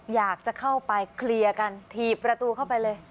อยากจะเข้าไปเคลียร์กันถีบประตูเข้าไปเลย